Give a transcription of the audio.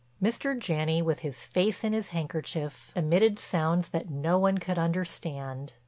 Mr. Janney, with his face in his handkerchief, emitted sounds that no one could understand.